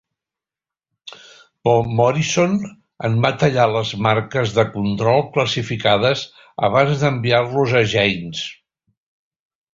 Morison en va tallar les marques de control classificades abans d'enviar-los a "Jane's".